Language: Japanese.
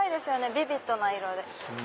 ビビッドな色で。